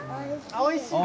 おいしい？